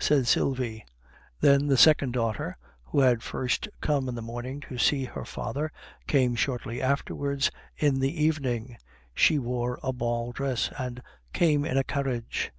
said Sylvie. Then the second daughter, who had first come in the morning to see her father, came shortly afterwards in the evening. She wore a ball dress, and came in a carriage.